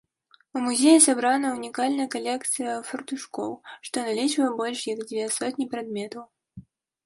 У музеі сабрана ўнікальная калекцыя фартушкоў, што налічвае больш як дзве сотні прадметаў.